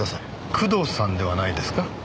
工藤さんではないですか？